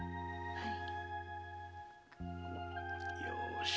はい。